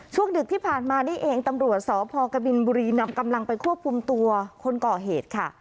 ดึกที่ผ่านมานี่เองตำรวจสพกบินบุรีนำกำลังไปควบคุมตัวคนก่อเหตุค่ะ